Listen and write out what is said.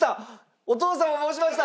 お父さんも押しました！